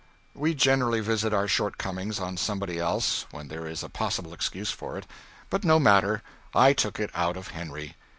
We generally visit our shortcomings on somebody else when there is a possible excuse for it but no matter, I took it out of Henry.